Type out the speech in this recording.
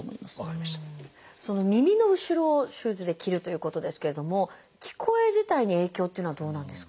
耳の後ろを手術で切るということですけれども聞こえ自体に影響っていうのはどうなんですか？